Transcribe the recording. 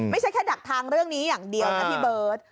ไม่ใช่แค่ดักทางเรื่องนี้อย่างเดียวนะพี่เบิร์ต